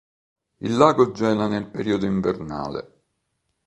Il lago gela nel periodo invernale.